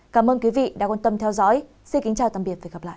cảm ơn quý vị đã quan tâm theo dõi xin kính chào tạm biệt và hẹn gặp lại